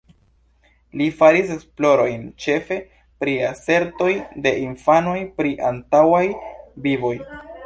Li faris esplorojn ĉefe pri asertoj de infanoj pri antaŭaj vivoj.